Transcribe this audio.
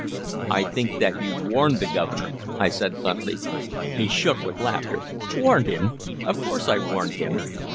"I think that you warned the Governor," I said bluntly. He shook with laughter. "Warned him? Of course I warned him.